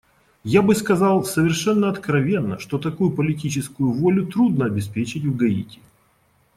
Я бы сказал совершено откровенно, что такую политическую волю трудно обеспечить в Гаити.